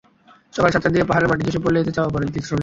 সকাল সাতটার দিকে পাহাড়ের মাটি ধসে পড়লে এতে চাপা পড়েন তিন শ্রমিক।